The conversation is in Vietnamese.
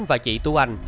và chị tu anh